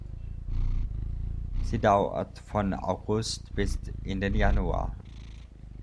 Sie dauert von August bis in den Januar.